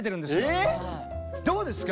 え⁉どうですか？